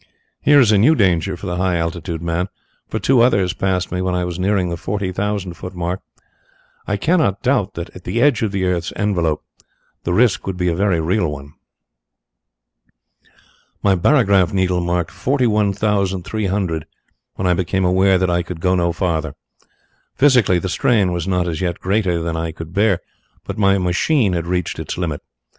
Here is a new danger for the high altitude man, for two others passed me when I was nearing the forty thousand foot mark. I cannot doubt that at the edge of the earth's envelope the risk would be a very real one. "My barograph needle marked forty one thousand three hundred when I became aware that I could go no farther. Physically, the strain was not as yet greater than I could bear but my machine had reached its limit.